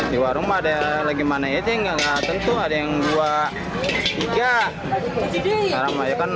di warung ada lagi manajing ada yang dua tiga